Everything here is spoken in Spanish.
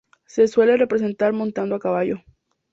Se le suele representar montado a caballo.